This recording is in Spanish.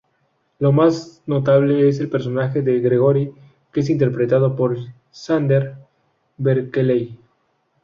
Lo más notable es el personaje de Gregory, que es interpretado por Xander Berkeley.